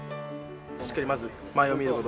しっかりまず周りを見ること。